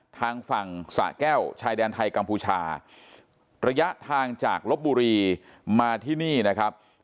ทางฝั่งสะแก้วชายแดนไทยกัมพูชาระยะทางจากลบบุรีมาที่นี่นะครับ